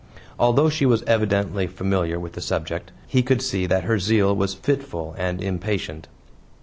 Although she was evidently familiar with the subject, he could see that her zeal was fitful and impatient.